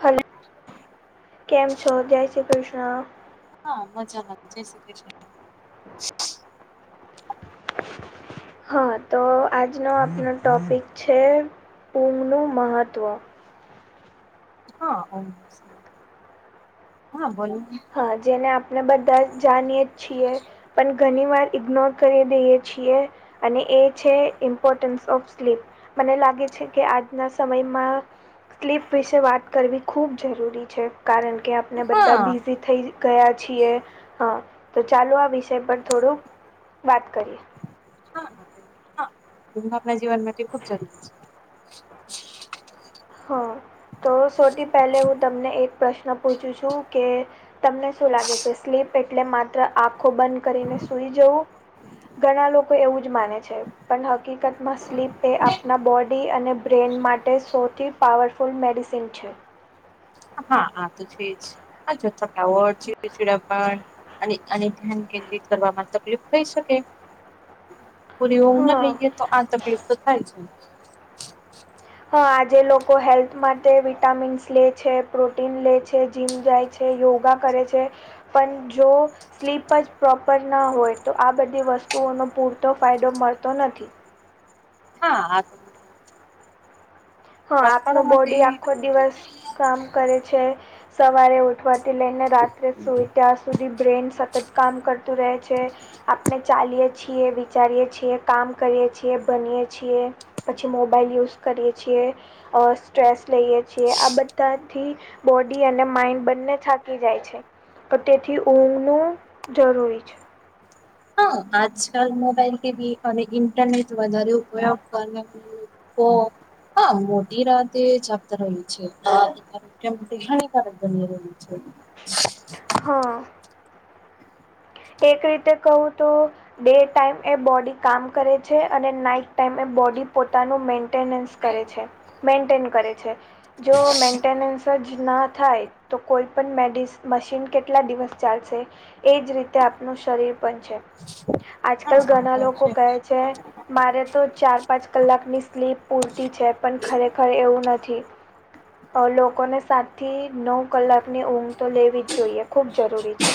Hello, કેમ છો? જય શ્રી કૃષ્ણ. હા મજામાં જય શ્રી કૃષ્ણ. હા તો આજનો આપનો ટૉપિક છે ઊઘનું મહત્ત્વ. હા, હોમ્સ હા બોલો. હા જેને આપણે બધા જ જાનીએ જ છીએ. પન ઘની વાર ઇગ્નોર કરી દઈએ છીએ. અને એ છે ઇમ્પોટન્સ ઓફ સ્લીપ. મને લાગે છે કે આજના સમયમાં. સ્લીપ વિશે વાત કરવી ખૂબ જરૂરી છે. કારણ કે આપને હા બધા હા બિઝી થઈ જ ગયા છીએ હા તો ચાલો આ વિષય પર થોડુંક વાત કરીએ. હા હા ઉઘ આપણા જીવન માટે ખુબ જરૂરી છે. હા, તો સોટી પહેલે હું તમને એક પ્રશ્ન પૂછું છું કે તમને શું લાગે છે સ્લીપ એટલે માત્ર આખો બંધ કરીને સુઈ જવું? ઘણા લોકો એવું જ માને છે. પણ હકીકતમાં સ્લીપ એ આપણા બોડી અને બ્રેન માટે શોત પાવરફુલ મેડિસિન છે. હા આ તો છે જ આજથાવડ ચીડ ચિડાપન અને અને ધ્યાન કેન્દ્રિત કરવામાં તકલીફ થઈ શકે. પૂરી ઊંઘ ન હા લઈએ તો આ તકલીફ તો થાય જ હ આજે લોકો હેલ્થ માટે વિટામિન્સ લે છે પ્રોટીન લે છે જીમ જાય છે યોગા કરે છે પન જો સ્લીપ જ પ્રોપર ન હોય તો આ બધી વસ્તુઓનો પૂરતો ફાયદો મળતો નથી. હા આ હા ડોક્ટરો આપનું માટે બોડી આખો દિવસ કામ કરે છે. સવારે ઉ ઉઠવાથી લઈને રાત્રે સુઈ ત્યાં સુધી બ્રેન સતત કામ કરતું રહે છે. આપને ચાલીએ છીએ વિચારીએે છીએ કામ કરીએ છીએ ભનીયએ છીએ પછી મોબાઈલ યુઝ કરીએ છીએ અ સ્ટ્રેસ લઈએ છીએ આ બધાથી બોડી અને માઈન્ડ બંને થાકી જાય છે. તો તેથી ઊંઘનું જરૂરી છે હા આજકાલ મોબાઈલ કે બી અને ઇન્ટરનેટ વધારે ઉપયોગ કરવા હા મોટી રાતે જ આપતા રહ્યું છે કેમ કે હાનિકારક બની રહ્યું છે હા એક રીતે કહું તો ડે ટાઈમ એ બોડી કામ કરે છે અને નાઈટ ટાઈમ એ બોડી પોતાનું મે મેન્ટેનન્સ કરે છે મેન્ટેન કરે છે જો મેન્ટનન્સ સર્જ ના થાય તો કોઈપ મેડિસ મશીન કેટલા દિવસ ચાલશે એ જ રીતે તે આપનું શરીર પણ છે હા આજકાલ ઘણા તો લોકો છે કહે છે મારે તો ચાર પાંચ કલાકની સ્લીપ પૂરતી છે પણ ખરેખર એવું નથી લોકોને સાતથી નવ કલાકની ઊંઘ તો લેવી જ જોઈએ ખૂબ જરૂરી છે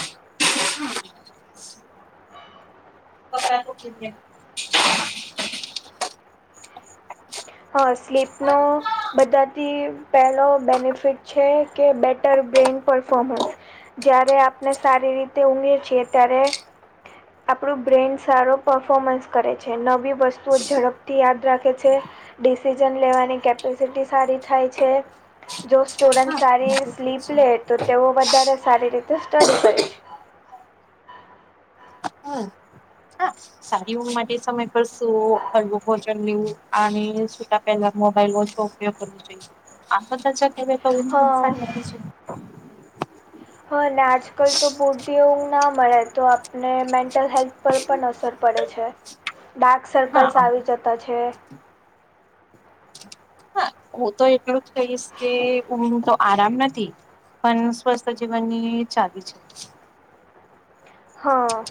પકડા [unintelligible] હા સ્લીપ નો બધાથી પહેલો બેનિફિટ છે કે બેટર બ્રેઇન પરફોમન્સ જયારે આપણે સારી રીતે ઉઘયે છીએ ત્યારે આપણું બ્રેન સારો પફોમન્સ કરે છે નવી વસ્તુઓ ઝડપથી યાદ રાખે છે ડિસિઝન લેવાની કેપેસિટી સારી થાય છે જો સ્ટુડન્ટ સારી ર સ્લીપ લે તો તેઓ વધારે સારી રીતે સ્ટડી કરે છે હમ હા સારી ઉંધ માટે સમય પર શું હળવું ભોજન લેવું અને સુતા પહેલા મોબાઈલ ઓછો ઉપયોગ કરવો જોઈ આ [unintelligible] તો ઉઘ હા સારી આવે છે હા ને આજકાલ તો બુદધિઓ ના મળે તો આપને મેન્ટલ હેલ્થ પર પણ અસર પડે પડે છે ડાર્ક સર્કલ્સ હા આવી જતા છે હા હું તો એટલું જ કહીશ કે ઉંધ તો આરામ નથી પણ સ્વસ્થ જીવનની ચાલી છે હ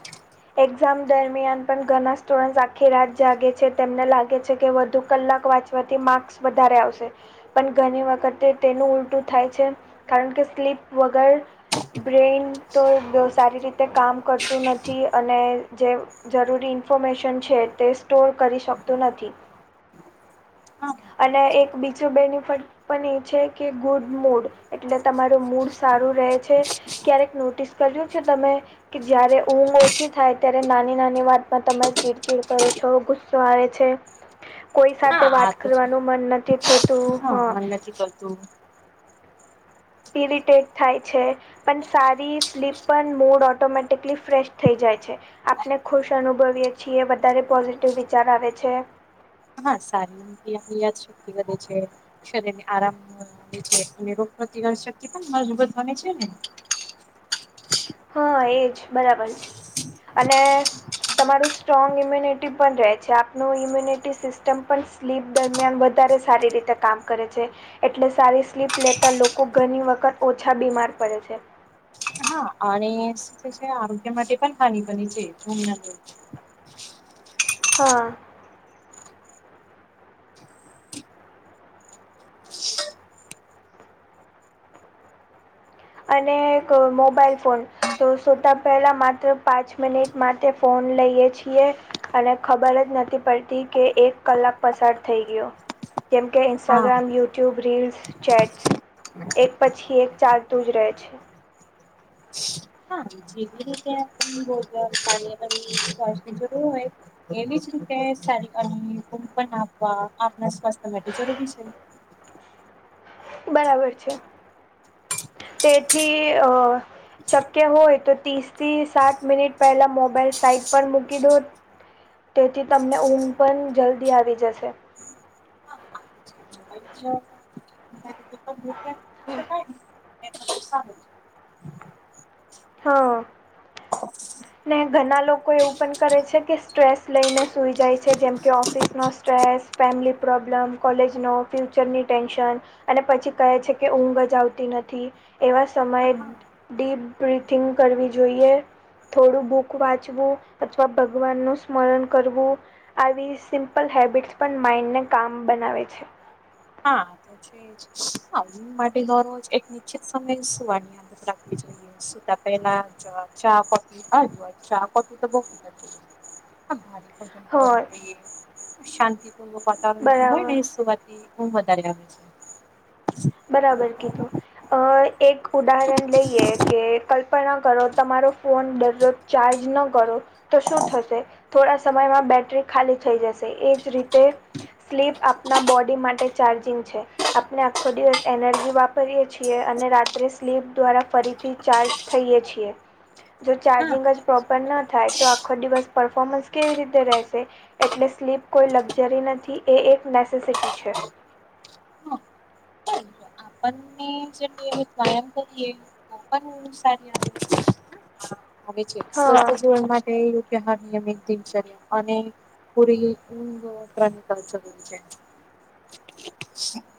એક્ઝામ દરમિયાન પણ ઘણા સ્ટુડન્ટસ આખી રાત જાગે છે તેમને લાગે છે કે વધુ કલાક વાંચ થવાથી માર્ક્સ વધારે આવશે પણ ઘણી વખતે તેનું ઉલટું થાય છે કારણ કે સ્લીપ વગર બ્રેન તો સારી રીતે કામ કરતું નથી અને જે જરૂરી ઇન્ફોર્મેશન છે, તે સ્ટોર કરી શકતું નથી. હા અને એક બીજું બેનિફટ પણ એ છે કે, ગુડ મૂડ એટલે તમારું મૂડ સારું રહે છે. ક્યારેક નોટિસ કર્યું છે તમે? કે જયારે ઊંઘ ઓછી થાય ત્યારે, નાની નાની વાતમાં તમે ચીડચીડ કરો છો. આવે છે, કોઈ સાથે હા વાત આ તો છે કરવાનું મન નથી થતું. હા, મન નથી કરતું. ઇરિટેટ થાય છે. પણ સારી સ્લીપ પણ, મૂડ ઓટોમેટિકલી ફ્રેશ થઈ જાય છે. આપને ખુશ અનુભવીએ છીએ, વધારે પોઝિટિવ વિચાર આવે છે. હા, સારી આપણી યાદ શક્તિ બધી છે. શરીર ને આરામ છે, અને રોગ પ્રતિક શક્તિ પણ મજબૂત બને છે ને. હા, એજ બરાબર છે અને તમારું સ્ટ્રોંગ ઇમ્યુનિટી પણ રહે છે, આપનું ઇમ્યુનિટી સિસ્ટમ પણ સ્લીપ દરમિયાન વધારે સારી રીતે કામ કરે છે. એટલે, સારી સ્લીપ લેતા લોકો ઘણી વખત ઓછા બીમાર પડે છે. હા અને છે, આરોગ્ય માટે પણ હાનિ બને છે. હા. અને એક મોબાઈલ ફોન. તો સોતા પહેલા માત્ર પાંચ મિનિટ માટે ફોન લઈએ છીએ. અને ખબર જ નથી પડતી કે, એક કલાક પસાર થઈ ગયો. જેમ કે, હા ઇન્સ્ટાગ્રામ, યુટ્યુબ, રીલ્સ, ચેટ્સ એક પછી એક ચાર જાય છે. હા, જેવી રીતે ભોજન કાર્યક્રમ જરૂર હોય. એવી જ રીતેારીપ [unintelligible] આપવા આપણા સ્વાસ્થ્ય માટે જરૂરી છે. બરાબર છે. તેથી અ શક્ય હોય તો, ત્રીસ થી સાત મિનિટ પહેલાં મોબાઈલ સાઈટ પર મૂકી દો. તેથી તમને ઊંઘ પણ જલ્દી આવી જશે. હા [unintelligible] હમ. [unintelligible] હા. ને ઘણા લોકો એવું પણ કરે છે કે, સ્ટ્રેસ લઈને સૂઈ જાય છે, જેમ કે ઓફિસનો સ્ટ્રેસ. ફેમલી પ્રોબ્લમ, કોલેજનો, ફ્યુચરની ટેન્શન. અને પછી કહે છે કે, ઊંઘ જ આવતી નથી એવા સમયે. ડીપ બ્રીિથિંગ કરવી જોઈએ. થોડું બુક વાંચવું અથવા ભગવાન નું સ્મરણ કરવું. આવી સિમ્પલ હેબિટ્સ પણ માઈન્ડને કામ બનાવે છે. એ માટે દરરોજ એક નિશ્ચિત સમય સુવા રાખવું જોઈએ, સૂતા પહેલા ચા પીવા હોય. ફી તો બ ભ ભજન હ કા ઉ શાંતિ [unintelligible] વાતાવરણ હોય બરાબર ને, સુવા થી ઊંધ વધારે આવે. છે. બરાબર કીધું, અ એક ઉદાહરણ લઈએ કે. કરો, તમારો ફોન દરરોજ ચાર્જ ન કરો તો શું થશે? થોડા સમયમાં બેટરી ખાલી થઈ જશે, એજ રીતે. સ્લીપ આપના બોડી માટે ચાર્જિંગ છે આપણે થોડી વાર એનર્જી વાપરીએ છીએ અને રાત્રે સ્લીપ દ્વારા ફરીથી ચાર્જ થઈએ છીએ. જો હા ચાર્જિંગ જ પ્રોપર ના થાય, તો આખો દિવસ પરફોમન્સ કેવી રીતે રહેશે? એટલે સ્લીપ કોઈ લક્ઝરી નથી એ એક નેસેસિટી છે. હા પણ [unintelligible] પાલન કરીયે ખુબજ સારી આદત છે આવે છે હા સ્વસ્થ જીવન માટે નિયમિત દિનચર્યા અને પુરી ઉંગ [unintelligible] કાવચ છે [inaudible]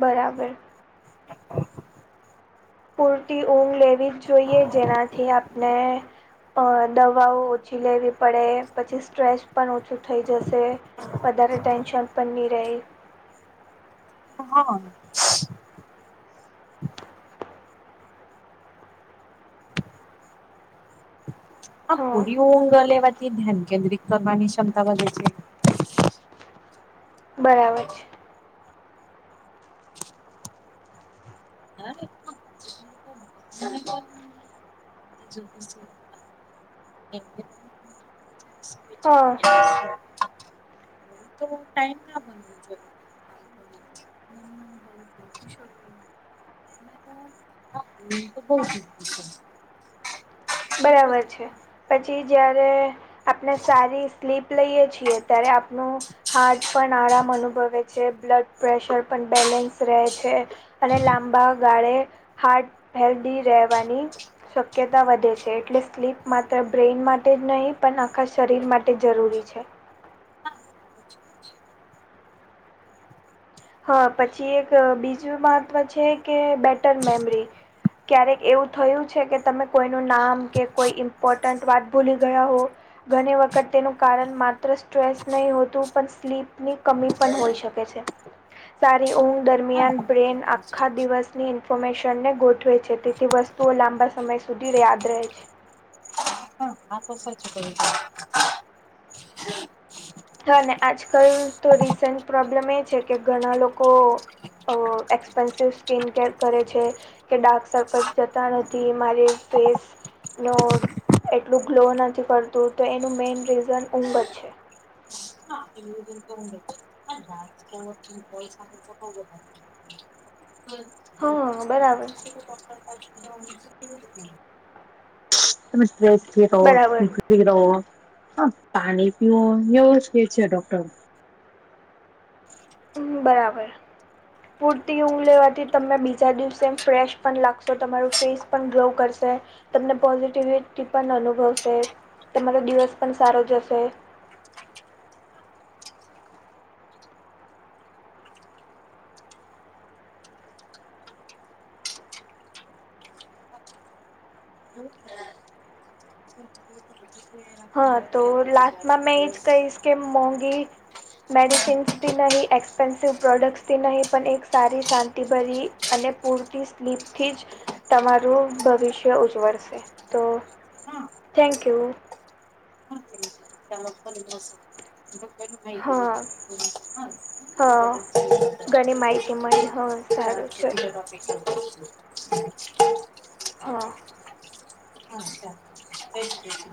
બરાબર પૂરતી ઊંઘ લેવી જ જોઈએ જેનાથી આપણે અ દવાઓ ઓછી લેવી પડે પછી સ્ટ્રેસ પણ ઓછું થઈ જશે વધારે ટેન્શન પણ નહીં રહે [unintelligible] હા પૂરી ઊંઘ લેવાથી ધ્યાન કેન્દ્રિત કરવાની ક્ષમતા વધે છે બરાબર છે [unintelligible] [inaudible] તો ટાઈમ હા ના [unintelligible] જોઈએ [inaudible] ઉંધ તો બો જરૂરી છે એ બરાબર તે છે પછી જયારે આપણે સારી સ્લીપ લઈએ છીએ ત્યારે આપણુ હાર્ટ પણ આરામ અનુભવે છે બ્લડ પ્રેશર પણ બેલેન્સ રહે છે અને લાંબા ગાળે હાર્ટ હેલ્ધી રહેવાની શક્યતા વધે છે છે એટલે સ્લીપ માત્ર બ્રેઇન માટે જ નહીં પણ આખા શરીર માટે જરૂરી છે [unintelligible] હા પછી એક બીજું મહત્વ છે કે બેટર મેમરી ક્યારેક એવું થયું છે કે તમે કોઈનું નામ કે કોઈ ઈમ્પોર્ટન્ટ વાત ભૂલી ગયા હો ઘણી વખત તેનું કારણ માત્ર સ્ટ્રેસ નહી હોતું પણ સ્લીપની કમી પણ હોઈ શકે છે સારી ઊંઘ હા દરમિયાન બરાબર બ્રેન કહ્યું છે. આખા દિવસ ની ઇન્ફોમેશન ને ગોઠવે છે તેથી વસ્તુઓ લાંબા સમય સુધી યાદ રહે છે આતો સાચું ક્યુ તમે હા આજકાલ તો રિસન્ટ પ્રોબ્લેમ એ છે કે ઘણા લોકો એકક્સપેન્સિિવ સ્કિન કેર કરે છે કે ડાર્ક સર્કલ જતા નથી મારી ફેસ નો એટલું ગ્લો નથી કરતું તો એનું મેઇન રીઝન ઊંઘ જ છે [unintelligible] તો હા બરાબર ડોક્ટર [inaudible] [unintelligible] બરાબર [unintelligible] પાણી પીવો એવું જ કે છે ડોક્ટર હમ્મ બરાબર પૂરતી ઊંઘ લેવાથી તમને બીજા દિવસે એમ ફ્રેશ પણ લાગશો તમારું ફેસ પણ ગ્લો કરશે તમને પોઝિટિવિટી પણ અનુભવશે તમારો દિવસ પણ સારો જશે હા તો લાસ્ટમાં મેં એ જ કહીશ કે મોંઘી મેડિસિન્સથી નહી એક્સપેન્સિવ પ્રોડક્ટ્સથી નહીં પણ એક સારી શાંતિભરી અને પૂરતી સ્લીપથી જ તમારું ભવિષ્ય ઉજવળશે, તો થેન્કયુ. હા [unintelligible] હા, ઘણી માહિતી મળી, હ સારું છે. [unintelligible] હ ડોક્ટર